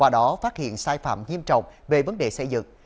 qua đó phát hiện sai phạm nghiêm trọng về vấn đề xây dựng